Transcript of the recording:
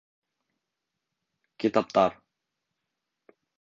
Китаптар